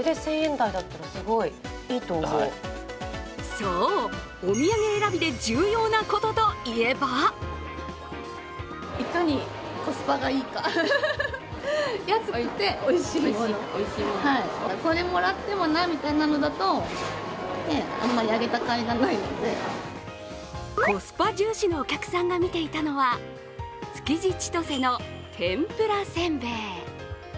そう、お土産選びで重要なことと言えばコスパ重視のお客さんが見ていたのは、築地ちとせの天ぷらせんべい。